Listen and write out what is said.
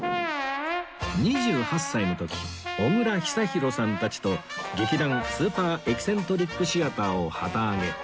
２８歳の時小倉久寛さんたちと劇団スーパーエキセントリックシアターを旗揚げ